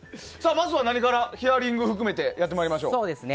まずは何からヒアリングを含めてやってもらいましょう。